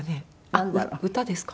あっ歌ですか？